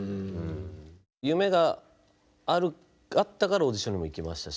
夢があったからオーディションにも行きましたし